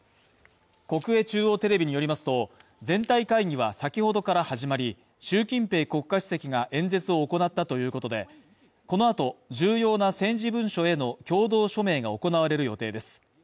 国営中央テレビによりますと、全体会議は先ほどから始まり、習近平国家主席が演説を行ったということで、この後、重要な政治文書への共同署名が行われる予定です。